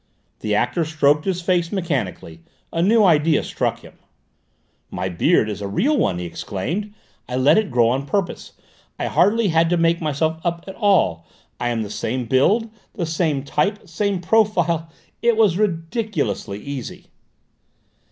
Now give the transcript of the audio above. The actor stroked his face mechanically: a new idea struck him. "My beard is a real one," he exclaimed. "I let it grow on purpose. I hardly had to make myself up at all; I am the same build, the same type, same profile; it was ridiculously easy!"